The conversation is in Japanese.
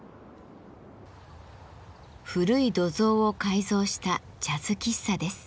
古い土蔵を改造した「ジャズ喫茶」です。